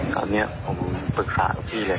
ครับตอนนี้ผมฝึกภาพกับพี่เลย